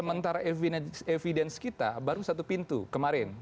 karena secara evidence kita baru satu pintu kemarin